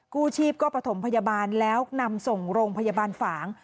กู้ชีพก็ประถมพยาบาลแล้วนำส่งโรงพยาบาลฝาง